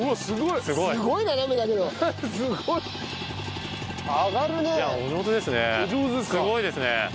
すごいですね。